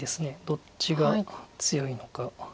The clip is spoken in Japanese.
どっちが強いのか。